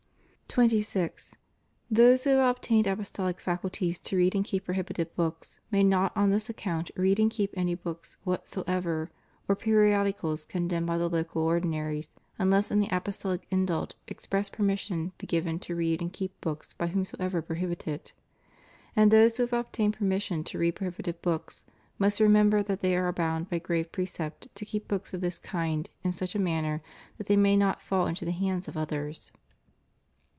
26. Those who have obtained apostolic faculties to read and keep prohibited books may not on this account read and keep any books whatsoever or periodicals condemned by the local ordinaries, unless in the apostolic indult express permission be given to read and keep books by whomsoever prohibited. And those who have obtained permission to read prohibited books must remember that they are bound by grave precept to keep books of this kind in such a manner that they may not fall into the hands of others.